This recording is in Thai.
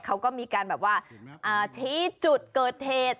เขาก็มีการแบบว่าชี้จุดเกิดเหตุ